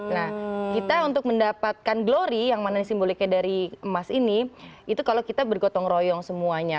nah kita untuk mendapatkan glory yang mana simboliknya dari emas ini itu kalau kita bergotong royong semuanya